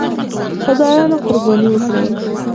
خدایانو قرباني وکړي.